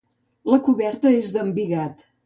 La coberta és d'embigat.